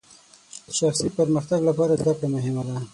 شخصي پرمختګ لپاره زدهکړه مهمه ده.